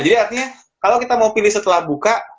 jadi artinya kalau kita mau pilih setelah buka